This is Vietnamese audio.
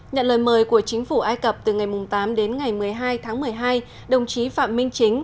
nhận lời mời của chính phủ ai cập từ ngày tám đến ngày một mươi hai tháng một mươi hai đồng chí phạm minh chính